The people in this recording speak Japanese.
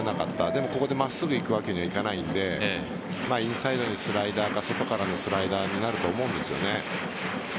でも、ここで真っすぐいくわけにはいかないのでインサイドにスライダーか外からのスライダーになると思うんです。